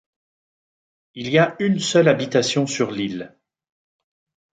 Il y a une seule habitation sur l'île.